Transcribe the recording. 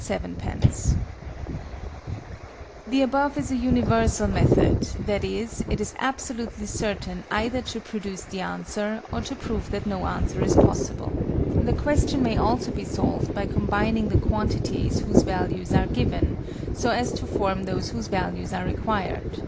_The above is a universal method: that is, it is absolutely certain either to produce the answer, or to prove that no answer is possible. The question may also be solved by combining the quantities whose values are given, so as to form those whose values are required.